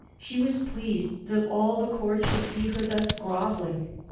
She was pleased that all the Court should see her thus grovelling.